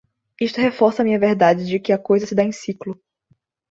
Isto reforça minha verdade de que a coisa se dá em ciclo